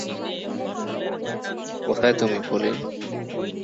কোথায় তুমি, পলিন?